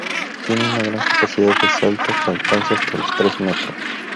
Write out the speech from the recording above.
Tiene una gran capacidad de salto que alcanza hasta los tres metros.